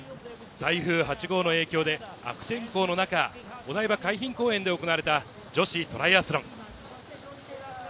台風８号の影響で悪天候の中、お台場海浜公園で行われた女子トライアスロン。